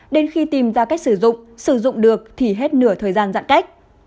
đến khi tìm ra cách sử dụng sử dụng được thì hết nửa thời gian giãn cách